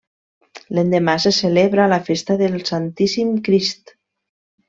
L'endemà se celebra la festa del Santíssim Crist.